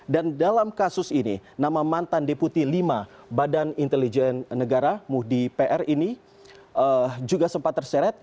dalam kasus ini nama mantan deputi lima badan intelijen negara muhdi pr ini juga sempat terseret